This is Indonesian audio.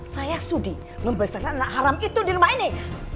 saya sudi membesarkan anak haram itu di rumah ini